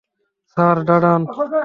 Sir, দাঁড়ান।